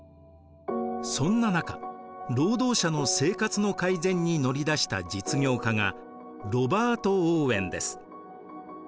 そんな中労働者の生活の改善に乗り出した実業家がロバート・オーウェンです。